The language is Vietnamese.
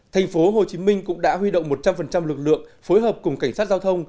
thành phố hồ chí minh cũng đã huy động một trăm linh lực lượng phối hợp cùng cảnh sát giao thông